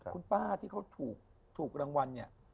คุณป้าที่เขาถูกรางวัลเนี่ย